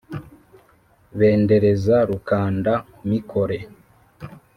bendereza rukanda-mikore